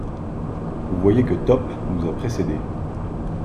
Vous voyez que Top nous a précédés